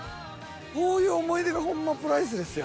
こういう思い出がホンマプライスレスやわ。